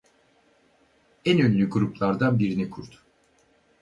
En ünlü gruplardan birini kurdu.